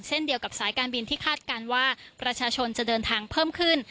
เช่นเดียวกับสายการบินที่คาดการณ์ว่าประชาชนจะเดินทางเพิ่มขึ้น